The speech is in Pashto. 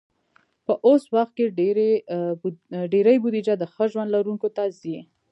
په اوس وخت کې ډېری بودیجه د ښه ژوند لرونکو ته ځي.